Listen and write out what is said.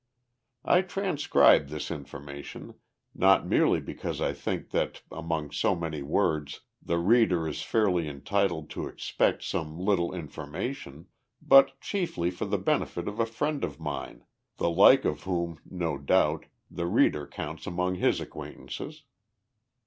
I transcribe this information, not merely because I think that, among so many words, the reader is fairly entitled to expect some little information, but chiefly for the benefit of a friend of mine, the like of whom, no doubt, the reader counts among his acquaintances.